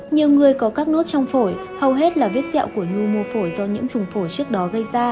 nhiều người có các nốt trong phổi hầu hết là viết dẹo của nhu mô phổi do những trùng phổi trước đó gây ra